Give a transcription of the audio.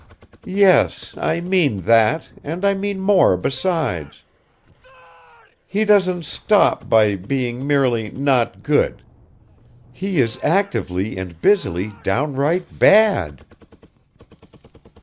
"Yes, I mean that, and I mean more besides. He doesn't stop by being merely 'not good.' He is actively and busily downright bad."